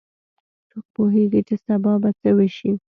څوک پوهیږي چې سبا به څه وشي